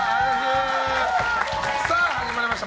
さあ始まりました。